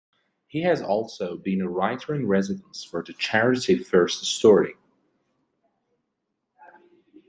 He has also been a writer-in-residence for the charity First Story.